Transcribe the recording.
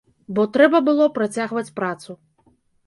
Бо трэба было працягваць працу.